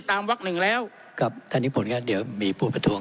ตามวักหนึ่งแล้วกับท่านนิบลค่ะเดี๋ยวมีผู้ประธวง